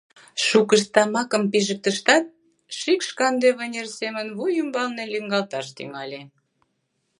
Шукышт тамакым пижыктыштат, шикш канде вынер семын вуй ӱмбалне лӱҥгалташ тӱҥале.